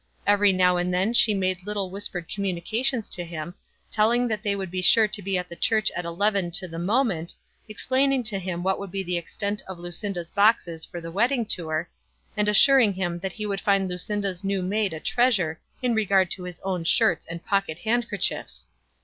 Every now and then she made little whispered communications to him, telling that they would be sure to be at the church at eleven to the moment, explaining to him what would be the extent of Lucinda's boxes for the wedding tour, and assuring him that he would find Lucinda's new maid a treasure in regard to his own shirts and pocket handkerchiefs.